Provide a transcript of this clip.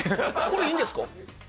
これ、いいんですか？